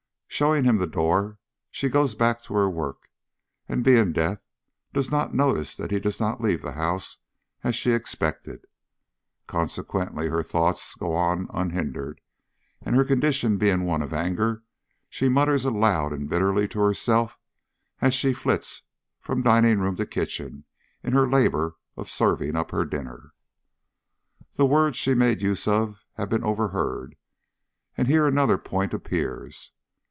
Showing him the door, she goes back to her work, and, being deaf, does not notice that he does not leave the house as she expected. Consequently her thoughts go on unhindered, and, her condition being one of anger, she mutters aloud and bitterly to herself as she flits from dining room to kitchen in her labor of serving up her dinner. The words she made use of have been overheard, and here another point appears.